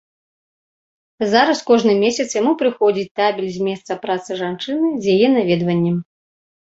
Зараз кожны месяц яму прыходзіць табель з месца працы жанчыны з яе наведваннем.